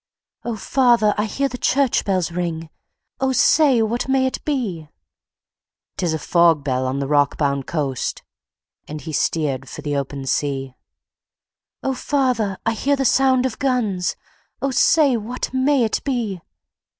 "O father! I hear the church bells ring, O say, what may it be?" "Tis a fog bell on a rock bound coast!" And he steered for the open sea. "O father! I hear the sound of guns, O say, what may it be?"